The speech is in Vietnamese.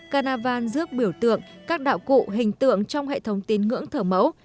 carnival rước biểu tượng các đạo cụ hình tượng trong hệ thống tín ngưỡng thờ mẫu